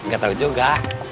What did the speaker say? gak tau juga